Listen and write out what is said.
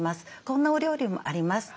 こんなお料理もあります。